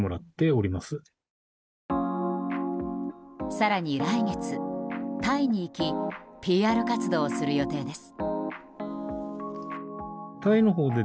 更に来月、タイに行きＰＲ活動をする予定です。